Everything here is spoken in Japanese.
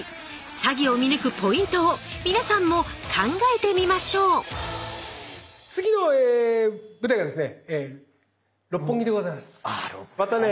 詐欺を見抜くポイントを皆さんも考えてみましょうまたオジさんですか。